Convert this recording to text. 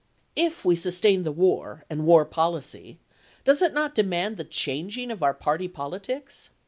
If we sustain the war and war policy, does it not demand the changing of our party politics?